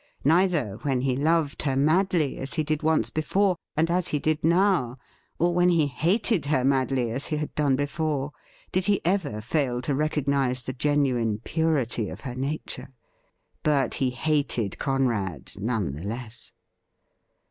Neither when he loved her madly, as he did once before, and as he did now, or when he hated her madly, as he had done before, did he ever fail to recognise the genuine purity of her nature. But he hated Conrad none the less.